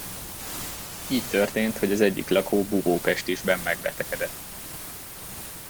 Így történt, hogy az egyik lakó bubópestisben megbetegedett.